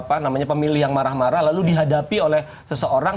apa namanya pemilihan marah marah lalu dihadapi oleh seseorang